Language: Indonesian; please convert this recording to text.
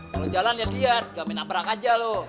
kalo jalan liat liat ga main aprak aja loh